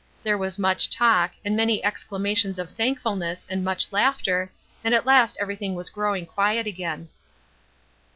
There was much talk, and many exclamations of thankfulness and much laughter, and at last everything was growing quiet again.